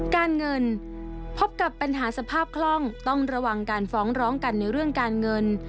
การเงินพบกับปัญหาสภาพคล่องต้องระวังการฟ้องร้องกันในเรื่องการเงิน